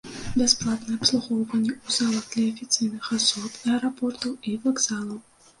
Бясплатнае абслугоўванне ў залах для афіцыйных асоб аэрапортаў і вакзалаў.